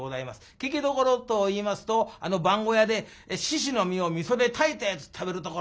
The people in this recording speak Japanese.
聞きどころといいますとあの番小屋で猪の身をみそで炊いたやつ食べるところ。